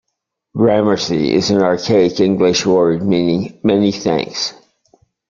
"Gramercy" is an archaic English word meaning "many thanks".